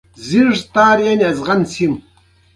افغانستان له مزارشریف ډک دی.